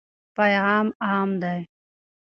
پیغام عام دی.